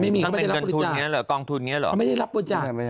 ไม่เขาไม่ได้รับบริจาค